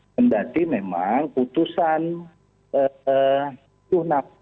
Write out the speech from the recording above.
dan nanti memang putusan tuhnaf